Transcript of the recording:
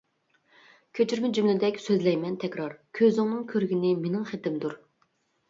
كۆچۈرمە جۈملىدەك سۆزلەيمەن تەكرار، كۆزۈڭنىڭ كۆرگىنى مېنىڭ خېتىمدۇر.